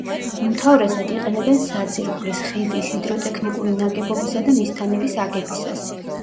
უმთავრესად იყენებენ საძირკვლის, ხიდის, ჰიდროტექნიკური ნაგებობისა და მისთანების აგებისას.